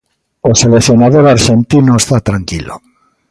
O seleccionador arxentino está tranquilo.